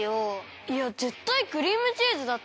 いやぜったいクリームチーズだって。